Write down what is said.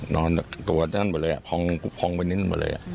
นอนตัวนั้นหมดเลยอะพองพองไปนิ้นหมดเลยอะ